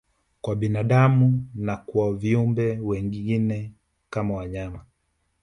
Kwa binadamu na kwa viumbe wengine kama wanyama